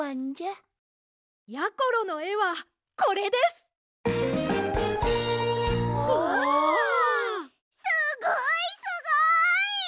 すごいすごい！